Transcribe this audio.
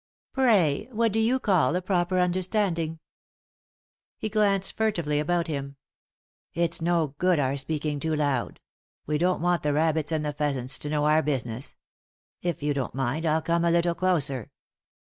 " Pray, what do you call a proper understanding ?" He glanced furtively about him. " It's no good our speaking too loud ; we don't want the rabbits and the pheasants to know our business ; if you don't mind I'll come a little closer."